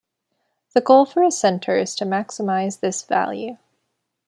The goal for a center is to maximize this value.